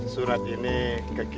surat ini ke kiai mugeni